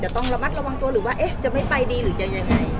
จะต้องระวังตัวหรือว่าจะไม่ไปดีหรือยังไง